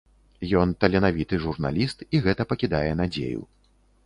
Ён таленавіты журналіст, і гэта пакідае надзею.